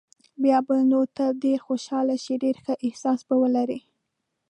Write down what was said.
بیا به نو ته ډېر خوشاله شې، ډېر ښه احساس به ولرې.